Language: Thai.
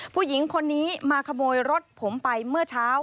ผู้หญิงคนนี้มาขโมยรถผมไปเมื่อเช้า